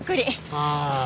ああ。